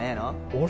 俺？